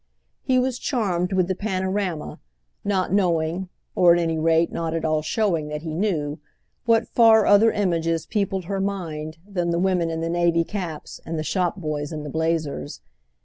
He was charmed with the panorama, not knowing—or at any rate not at all showing that he knew—what far other images peopled her mind than the women in the navy caps and the shop boys in the blazers.